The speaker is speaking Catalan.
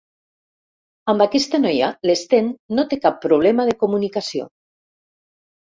Amb aquesta noia l'Sten no té cap problema de comunicació.